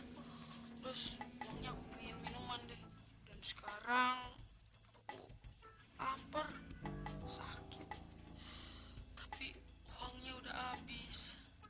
terus uangnya aku beliin minuman deh dan sekarang aku lapar sakit tapi uangnya udah habis